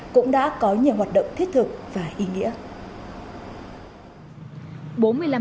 cũng đã có nhiều hoạt động thiết thực và ý nghĩa